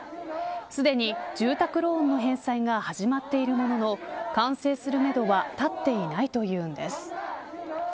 すでに住宅ローンの返済が始まっているものの完成するめどは立っていないというんです。